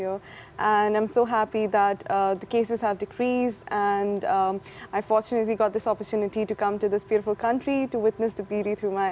saya sangat senang bahwa keadaan ini telah meningkat dan saya beruntung dapat kesempatan ini untuk datang ke negara yang indah ini untuk melihat kecantikan di mata saya